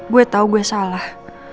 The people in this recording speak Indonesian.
gue tau gue salah